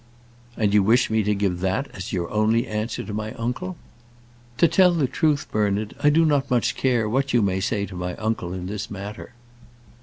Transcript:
"And you wish me to give that as your only answer to my uncle?" "To tell the truth, Bernard, I do not much care what you may say to my uncle in this matter.